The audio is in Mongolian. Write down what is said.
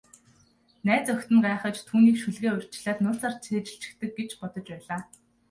Найз охид нь гайхаж, түүнийг шүлгээ урьдчилаад нууцаар цээжилчихдэг гэж бодож байлаа.